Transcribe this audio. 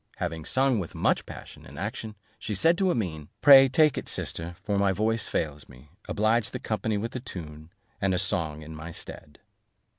Having sung with much passion and action, she said to Amene, "Pray take it, sister, for my voice fails me; oblige the company with a tune, and a song in my stead."